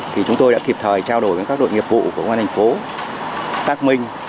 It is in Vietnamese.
thì chúng tôi đã kịp thời trao đổi với các đội nghiệp vụ của công an thành phố xác minh